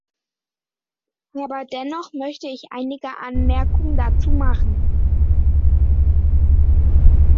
Aber dennoch möchte ich einige Anmerkungen dazu machen.